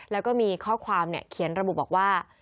แล้วก็มีข้อความเขียนระบุบอกว่า